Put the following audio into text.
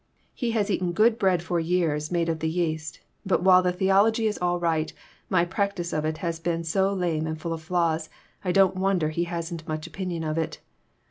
He has eaten good bread for years made of the yeast, but while the theology is all right, my practice of it has been so lame and full of flaws I don't wonder he hasn't much opinion of it.